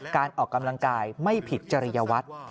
การออกกำลังกายไม่ผิดจริยวัตร